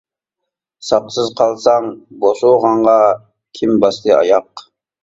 ساقسىز قالساڭ بوسۇغاڭغا كىم باستى ئاياق.